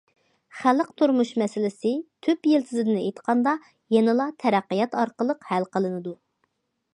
خەلق تۇرمۇش مەسىلىسى تۈپ يىلتىزىدىن ئېيتقاندا، يەنىلا تەرەققىيات ئارقىلىق ھەل قىلىنىدۇ.